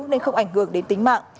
nên không ảnh hưởng đến tính mạng